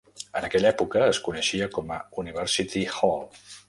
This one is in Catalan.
En aquella època, es coneixia com a University Hall.